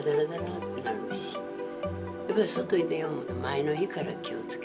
やっぱり外へ出よう思うと前の日から気を付けて。